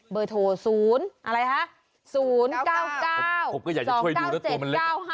เบอร์โทร๐อะไรคะ